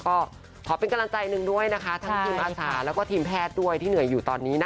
ก็ขอเป็นกำลังใจหนึ่งด้วยนะคะทั้งทีมอาสาแล้วก็ทีมแพทย์ด้วยที่เหนื่อยอยู่ตอนนี้นะ